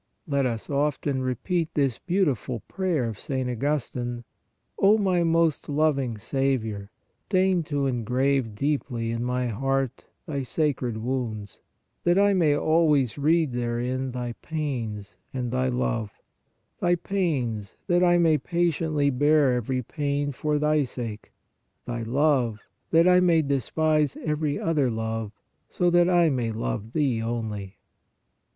Let us often repeat this beautiful prayer of St. Augustine: "O my most loving Saviour, deign to engrave deeply in my heart Thy sacred wounds, that I may always read therein Thy pains and Thy love; Thy pains, that I may patiently bear every pain for Thy sake ; Thy love, that I may despise every other love, so that I may love Thee only."